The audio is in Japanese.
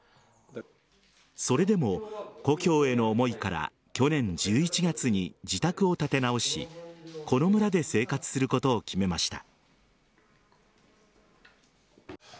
それでも、故郷への思いから去年１１月に自宅を建て直しこの村で生活することを決めました。